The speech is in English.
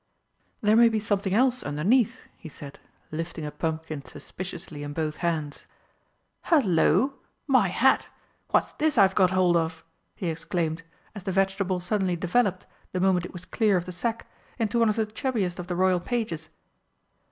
"There may be something else underneath," he said, lifting a pumpkin suspiciously in both hands. "Hullo! My hat! What's this I've got hold of?" he exclaimed, as the vegetable suddenly developed, the moment it was clear of the sack, into one of the chubbiest of the royal pages.